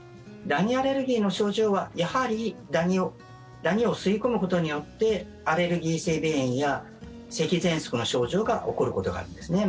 ダニアレルギーの症状はやはりダニを吸い込むことによってアレルギー性鼻炎やせきぜんそくの症状が起こることがあるんですね。